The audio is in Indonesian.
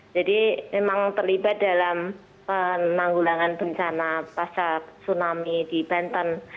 jadi memang terlibat dalam penanggulangan bencana pasca tsunami di banten